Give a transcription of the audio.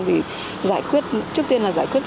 thì giải quyết trước tiên là giải quyết